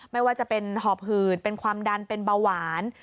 ไม่ว่าจะเป็นหอบหืดเป็นความดันเป็นเบาหวาน